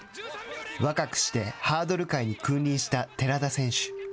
若くしてハードル界に君臨した寺田選手。